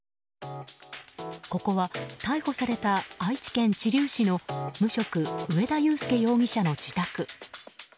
ここは逮捕された愛知県知立市の無職・植田祐輔容疑者の自宅。